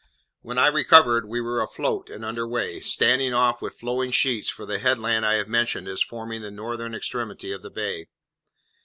When I recovered, we were afloat and under way, standing off, with flowing sheets, for the headland I have mentioned as forming the northern extremity of the bay.